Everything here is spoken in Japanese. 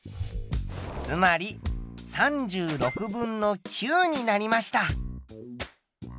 つまり３６分の９になりました。